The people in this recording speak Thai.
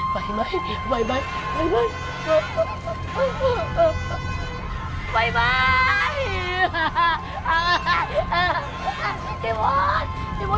พี่บุ๊พี่วุด